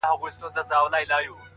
خبرونه باید دقیق او رښتیني وي